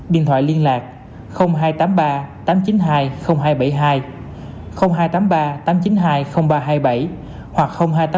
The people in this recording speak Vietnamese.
điện thoại liên lạc hai trăm tám mươi ba tám trăm chín mươi hai hai trăm bảy mươi hai hai trăm tám mươi ba tám trăm chín mươi hai ba trăm hai mươi bảy hoặc hai trăm tám mươi ba tám trăm chín mươi hai hai trăm bảy mươi ba